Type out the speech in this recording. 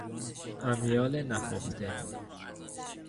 امیال نهفته